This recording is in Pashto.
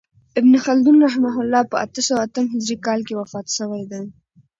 ابن خلدون رحمة الله په اته سوه اتم هجري کال کښي وفات سوی دئ.